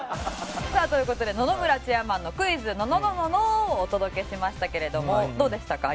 さあという事で野々村チェアマンのクイズ！！ののののの！！！！！をお届けしましたけれどもどうでしたか？